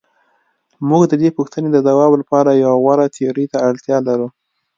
موږ د دې پوښتنې د ځواب لپاره یوې غوره تیورۍ ته اړتیا لرو.